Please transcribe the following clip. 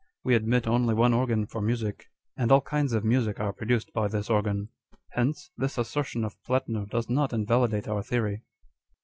We admit only one organ for music ; and all kinds of music are produced by this organ. Hence, this assertion of Plattner does not invalidate our theory."